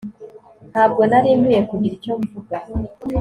Ntabwo nari nkwiye kugira icyo mvuga